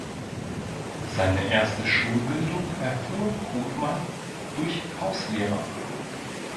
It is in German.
Seine erste Schulbildung erfuhr Cothmann durch Hauslehrer.